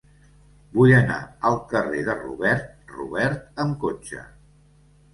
Vull anar al carrer de Robert Robert amb cotxe.